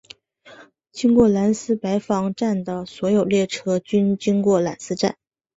经过兰斯白房站的所有列车均经过兰斯站。